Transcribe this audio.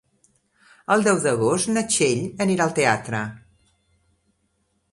El deu d'agost na Txell anirà al teatre.